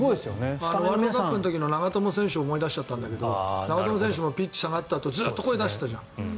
ワールドカップの時の長友選手を思い出しちゃったんだけど長友選手もピッチ下がったあとずっと声出してたじゃん。